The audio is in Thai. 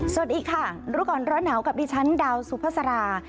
สวัสดีค่ะรู้ก่อนร้อนหนาวกับดิฉันดาวสุภาษารา